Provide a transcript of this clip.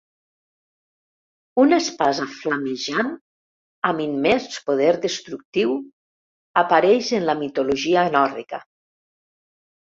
Una espasa flamejant amb immens poder destructiu apareix en la mitologia nòrdica.